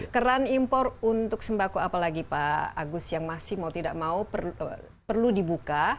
keran impor untuk sembako apalagi pak agus yang masih mau tidak mau perlu dibuka